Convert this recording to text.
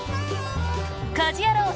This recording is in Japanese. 「家事ヤロウ！！！」